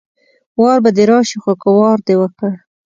وار به دې راشي خو که وار دې وکړ